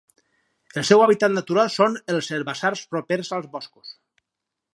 El seu hàbitat natural són els herbassars propers als boscos.